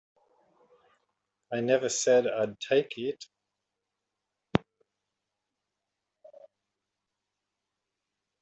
I never said I'd take it.